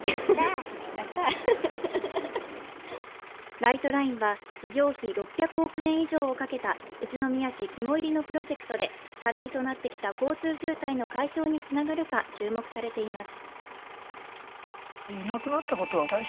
ライトラインは事業費６００億円以上をかけた宇都宮市肝煎りのプロジェクトで課題となってきた交通渋滞の解消につながるか注目されています